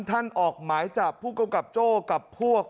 ท่านออกหมายจากผู้กำกับโจ๊กับพวก